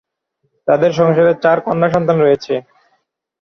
তাদের সংসারে চার কন্যা সন্তান রয়েছে।